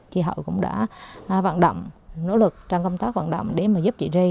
chị hậu cũng đã vận động nỗ lực trong công tác vận động để giúp chị ri